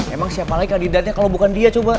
emang siapa lagi kandidatnya kalau bukan dia coba